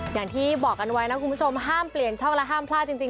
อย่างที่บอกกันไว้นะคุณผู้ชมห้ามเปลี่ยนช่องและห้ามพลาดจริง